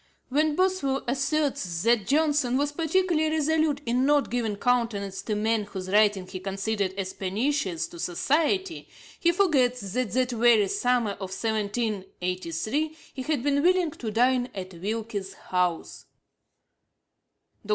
When Boswell asserts that Johnson 'was particularly resolute in not giving countenance to men whose writings he considered as pernicious to society,' he forgets that that very summer of 1783 he had been willing to dine at Wilkes's house (ante, p.